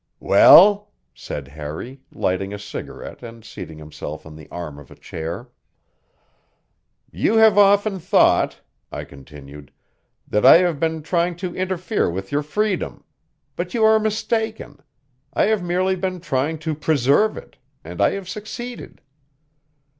"Well?" said Harry, lighting a cigarette and seating himself on the arm of a chair. "You have often thought," I continued, "that I have been trying to interfere with your freedom. But you are mistaken; I have merely been trying to preserve it and I have succeeded."